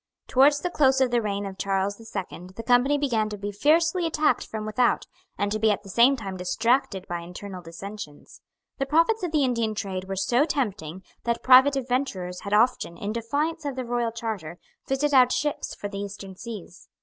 Towards the close of the reign of Charles the Second the Company began to be fiercely attacked from without, and to be at the same time distracted by internal dissensions. The profits of the Indian trade were so tempting, that private adventurers had often, in defiance of the royal charter, fitted out ships for the Eastern seas.